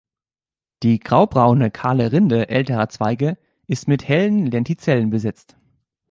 Die graubraune, kahle Rinde älterer Zweige ist mit hellen Lentizellen besetzt.